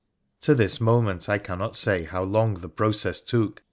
To this moment I cannot say how long the process took.